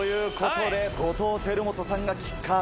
後藤輝基さんがキッカー。